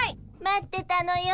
待ってたのよ。